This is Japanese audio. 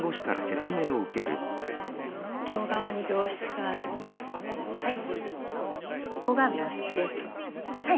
両側に病室があってはい。